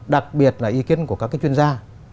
đặc biệt là ý kiến của các chuyên gia